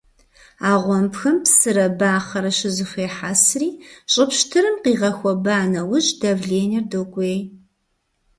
А гъуэмбхэм псырэ бахъэрэ щызэхуехьэсри, щӀы пщтырым къигъэхуэба нэужь, давленэр докӀуей.